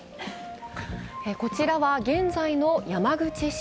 こちらは現在の山口市。